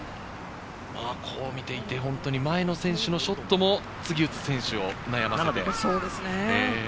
こう見ていて、本当に前の選手のショットも次、打つ選手を悩ませている。